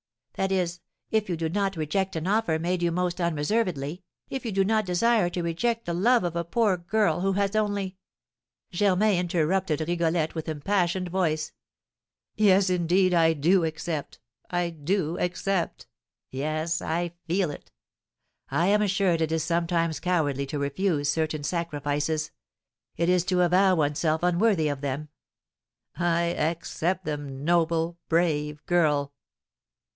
That is, if you do not reject an offer made you most unreservedly, if you do not desire to reject the love of a poor girl who has only " Germain interrupted Rigolette with impassioned voice: "Yes, indeed I do accept I do accept! Yes, I feel it. I am assured it is sometimes cowardly to refuse certain sacrifices; it is to avow oneself unworthy of them. I accept them, noble, brave girl!"